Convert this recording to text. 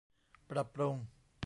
ปรับปรุง